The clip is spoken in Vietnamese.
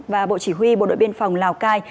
và bộ chỉ huy bộ đội biên phòng lào cai